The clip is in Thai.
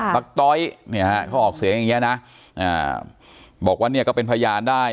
ตักต้อยเขาออกเสียงอย่างนี้นะบอกว่าเนี่ยก็เป็นพยานได้